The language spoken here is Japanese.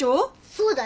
そうだよ。